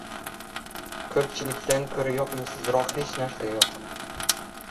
Ko‘pchilikdan ko‘ra yoqimsizroq hech narsa yo‘q.